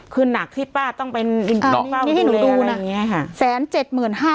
คือนักที่ป้าต้องเป็นอู๊มซู่เลอะนี่ให้หนูดูนะ๑๗๕๐๐๐๐บาท